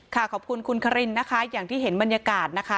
ขอบคุณคุณคารินนะคะอย่างที่เห็นบรรยากาศนะคะ